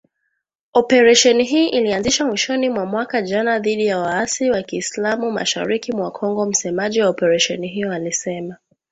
Operesheni hii ilianzishwa mwishoni mwa mwaka jana dhidi ya waasi wa kiislam mashariki mwa Kongo msemaji wa operesheni hiyo alisema